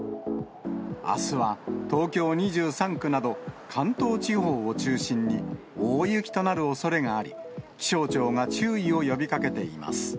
あすは、東京２３区など、関東地方を中心に大雪となるおそれがあり、気象庁が注意を呼びかけています。